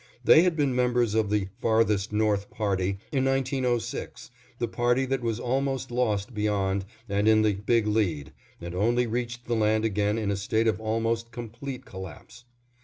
They had been members of the "Farthest North party" in 1906, the party that was almost lost beyond and in the "Big Lead," and only reached the land again in a state of almost complete collapse.